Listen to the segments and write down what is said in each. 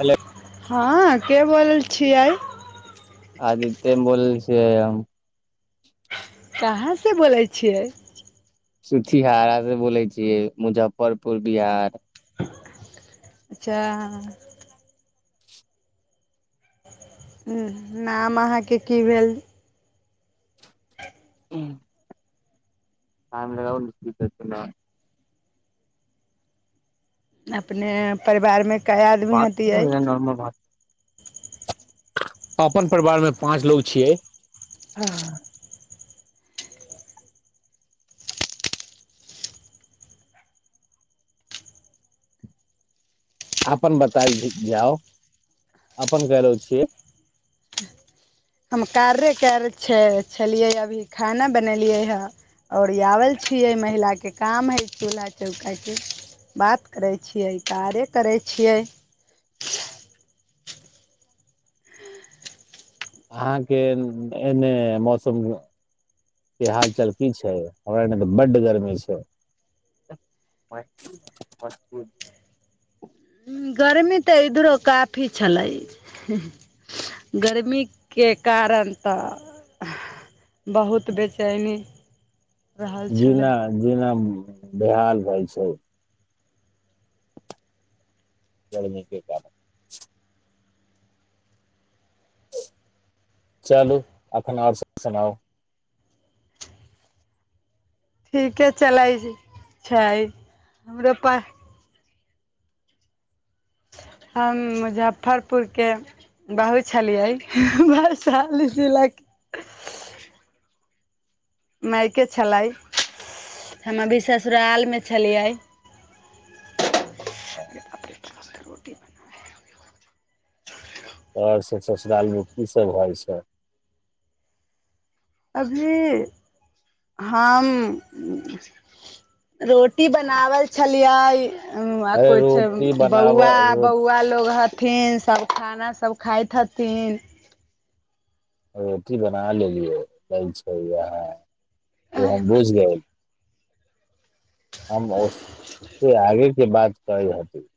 Hello हँ के बोलैल छियै आदित्य बोलल छियै कहाँसँ बोलै छियै सुथिहारहारा से बोलै छियै मुजफ्फरपुर बिहार। अच्छा। हुँ नाम अहाँके की भेल। ह। [inaudible] हुँ हमारा आओर कें सुनाउ। अपने परिवारमे। कए आदमी बात करू हतियै। ने नॉर्मल बात। ह। [inaudible] अपन परिवारमे पाँच लोग छियै। अपन बताय जाउ अपन कलहु छियै। हम कार्ये कयल छ छलियै। अभी खाना बनेलियै हे। आओर आओल छियै। महिलाके काम हइ चूल्हा चौकाके बात करै। छियै कार्ये करै छियै। अहाँके एन्ने मौसमके हालचाल की छै। हमरा एन्ने तऽ बड्ड गर्मी छै। गर्मी तऽ इधरो काफी छलैय। गर्मीके कारण तऽ बहुत बेचैनी। रहल छलै जेना जेना। बेहाल भ छै। गर्मी के कारण। चलू एखन आरसँ सुनाउ। ठीके चलै छै हमरो पास। हम मुजफ्फरपुरके बाहू छलियै वैशाली जिलाके। मायके छलै हम अभी ससुराल मे छलियै। आओर ससुरालमे कीसभ भइ छै। अभी हम रोटी बनावल छलियए। आ अरे कोईछ रोटी बनाब बौआ रो बौआ लोग ह। फेन सभ खाना सब खाइत हथिन। रोटी बना लेलियै दै छै इहाँ। त हम बुझ गए। हम ओसे आगे। जे बात कह हेथिन।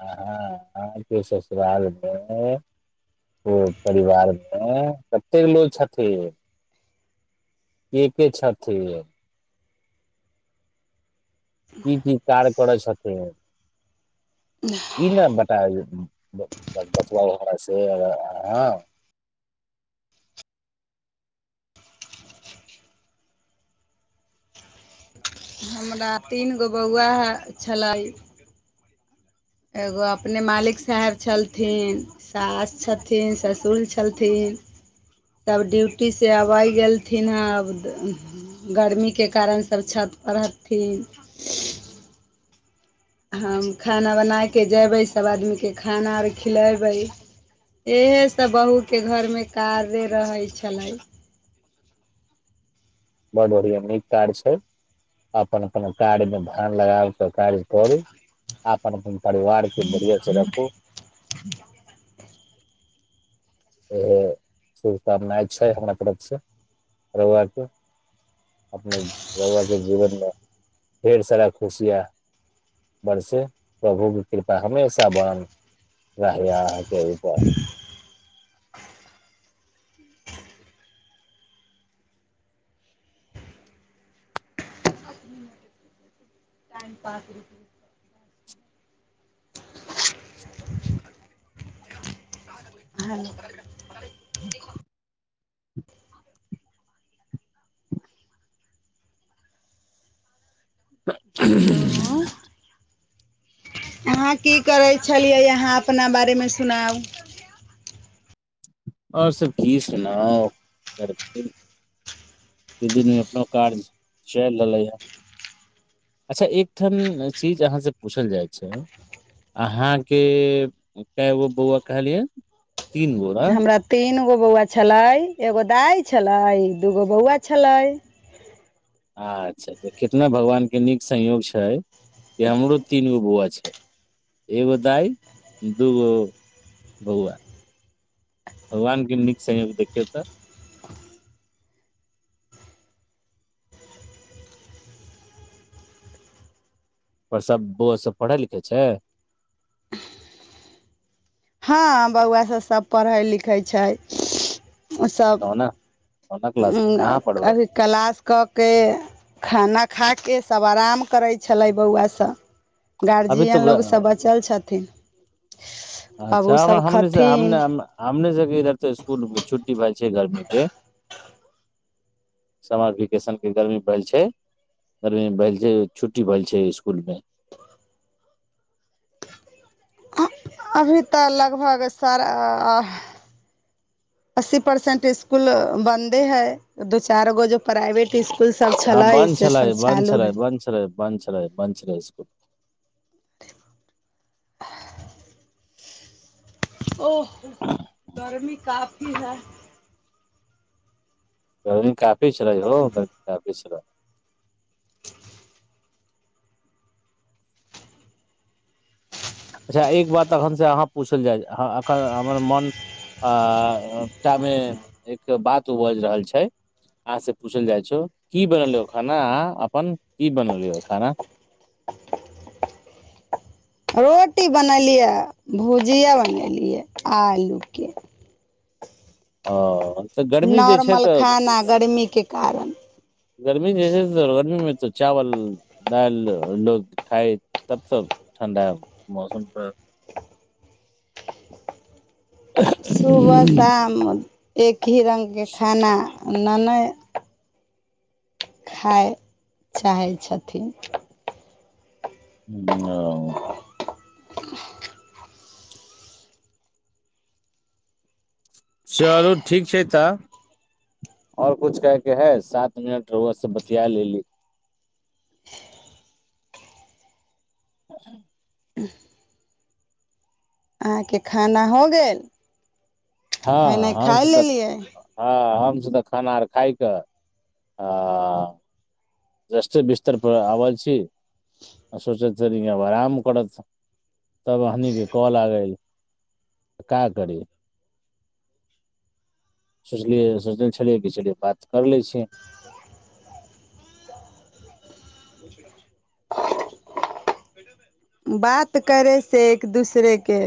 अहाँ अहाँके ससुरालमे परिवारमे कतेक लोको छथिन। के के छथिन की की कार्य करय छथिन। ई नाम बता देथिन। त हँ। हमरा तीन गो बौआ छलैय। एगो अपने मालिक साहेब छलथिन। सास छथिन ससुर छलथिन। सभ ड्यूटीसँ अबय गेलथिन। हब गर्मीके कारण सभ छतप रहथिन। हम खाना बनाए। कऽ जयबै सभ आदमीकेँ खाना। अर खिलयबै इएहसभ बहुूके घरमे कारे रहै छलैय। ब्ड बढ़िआँ नीक काराज छै। अपन अपन कार्यमे धान लगाब कऽ कार्य करू। अपन अपन परिवारके बढ़िआँसँ रखू। ह। इह शुभकामना छै। हमरा तरफसँ रआके। अपने रआके जीवनमे। ढेर सारा खुशिय। बरसे प्रभुके कृपा हमेशा बान रहै अहाँके। सहिता टाइम पास भ। हँ ह हेलो अहाँ की करै छलियै अहाँ अपना बारेमे सुनाउ आओर सब की सुनाउ ई दिनमे अपनो काज चलि रहलैए अच्छा एकठाम चीज अहाँसँ पूछल जाइ छै अहाँके कए गो बौआ कहलियै तीन गो ने हमरा तीन एगो बौआ छलै एगो दाइ छलै दूगो बौआ छलै अच्छा तऽ कितना भगवानके नीक संयोग छै हमरो तीन गो बौआ छै एगो दाय दु गो बौआ भगवान के निक संयोग देखियो त पर सभ बौआ सभ पढ़ै लिखै छै हँ बौआ सभ सभ पढ़ै लिखै छै ओसभ ओना ओना क्लास उ में कहाँ पढ़बै अभी क्लास कऽ के खाना खाके सभ आराम करै छलै बौआ सब अभी गार्जियन लोग सब बचल छथिन ह अच्छाने सब इधर त इसकुल छुट्टी भए जा छै गर्मीे समर वकेेशनके गर्मी भेल छै गर्मी भेल छै छुट्टी भेल छै इसकुलमे अभी तऽ लगभग सारा अस्सी परसेंट स्कुल बंन्दे है दू चार गो जो प्राइवेट स्कूल हँ बन्द छलय बन्द छलय बन्द छल बन्द छल बन्द छल ओ गर्मी काफी है रही कात पच रहय पस रहय अच्छा एक बात एखन से अहाँ पूछल जाय एखन हमर मोन तमे एक बात बाज रहल छै अहाँ पूछल जाइ क बनल खाना आ अपन क बनल खाना रोटी बनेलियै भुजिया बनेलियै आलूके ओ तऽ गर्मी जे छै नॉर्मल तऽ खाना गर्मीके कारण गर्मी जैसे गर्मी मे तो चावल दाल लोग खाइ तब तऽ ठण्डा मौसम पर सुबह शाम एक अी रंगके खाना लेनेय खाइ चाहय छथिन ह ह चलू ठीक छै तऽ आओर कुछ कहैके है सात मिनट रउवा से बतिया लेली ह अहाँके खाना हो गेल हँ हँ खेनाइ आओर खा सब लेलियै हँ हम सँ तऽ खाना आर खाइके र बिस्तर परर आबै छी आ सोचैत छी आब आराम करत तब हमनी के कॉल आ गेइल का करी सोचलियै सोचनेे छलियैय बात कर लए छिय [inaudible] बात करे से एक दूसरे के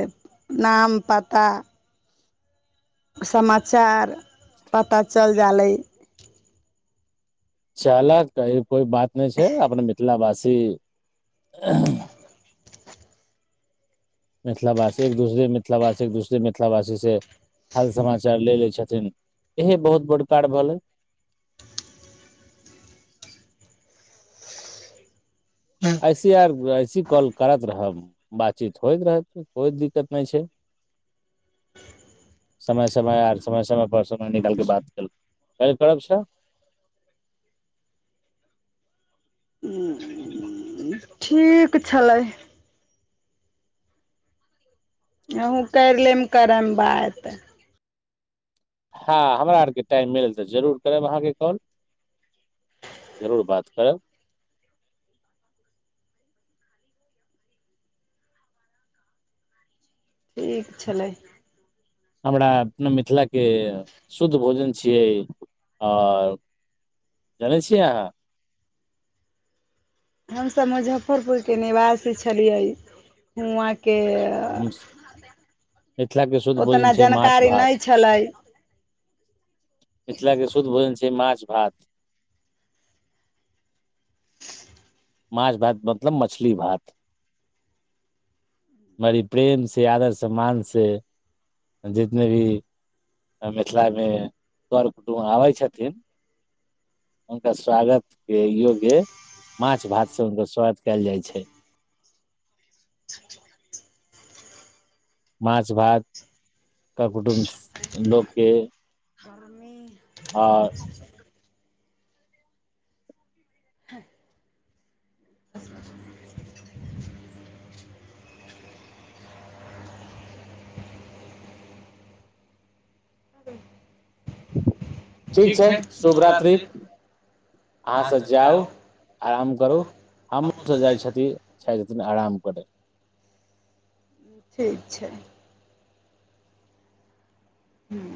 नाम पता समाचार पता चलि जा लए चाला आतै कोइ बात नहि छै अपने मिथिला भाषा से मिथिलावासी एक दूसरे मिथिलावासी एक दूसरे मिथिलावासीसँ हाल समाचार ले लै छथिन इएह बहुत बड़ कार्य भेलै ऐ सी आर की काल करैत रहब बातचीत होयत रहत कोई दिक्कत नय छै समय समय पर ठीक छलै अहू करि लेम करम बात हँ हमरा आरके टाइम मिलल तऽ जरूर करब अहाँके कॉल जरूर बात करब ठीक छलै हमरा अपना मिथिलाके शुद्ध भोजन छियै आओर जनै छियै अहाँ हम सभ मुजफ्फरपुर के निवासी छलियै हुआ के हम मिथिलाके शुद्ध भोजन ओतना छै माछ जानकारी नहि छलै मिथिला के शुद्ध भोजन छै माछ भात माछ भात मतलब मछली भात बड़ी प्रेमसँ आदर सम्मानसँ जितने भी मिथिलामे कर कुटुमब आबै छथिन हुनकर स्वागतके योग्य माछ भातसँ हुनकर स्वागत कयल जाइ छै माछ भात क कुटुम्ब लोकके आ ह ठीक छै शुभ रत्रि अहाँ से जाउ आराम करू हमँ सब जाइ छथि छथिन आराम [inaudible] ठीक छै हू